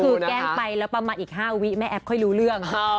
คือแกล้งไปแล้วประมาณอีก๕วิแม่แอฟค่อยรู้เรื่อง